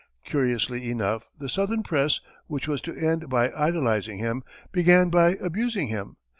Curiously enough, the southern press, which was to end by idolizing him, began by abusing him.